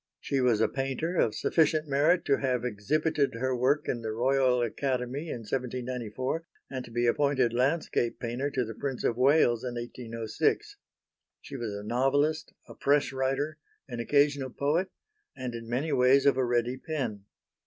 She was a painter of sufficient merit to have exhibited her work in the Royal Academy in 1794 and to be appointed landscape painter to the Prince of Wales in 1806. She was a novelist, a press writer, an occasional poet and in many ways of a ready pen.